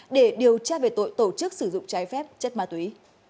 để điều tra về tội tổ chức sử dụng trái phép chất ma túy